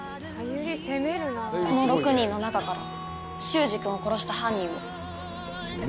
この６人の中から秀司君を殺した犯人を。